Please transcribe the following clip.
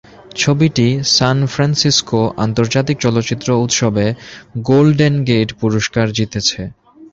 ছবিটি San Francisco আন্তর্জাতিক চলচ্চিত্র উৎসবে গোল্ডেন গেট পুরস্কার জিতেছে।